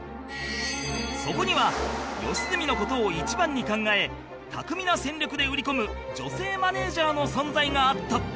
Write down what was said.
そこには良純の事を一番に考え巧みな戦略で売り込む女性マネージャーの存在があった